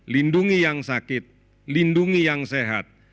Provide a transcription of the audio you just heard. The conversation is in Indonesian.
lindungi yang sakit lindungi yang sehat